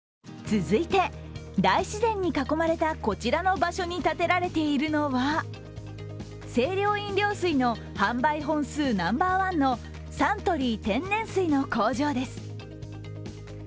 続いて、大自然に囲まれたこちらの場所に建てられているのは清涼飲料水の販売本数ナンバーワンのサントリー天然水の工場です。